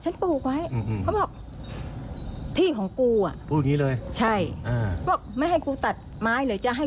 นี่แหละ